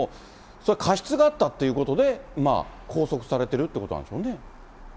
それは過失があったということで、拘束されてるってことなんですよ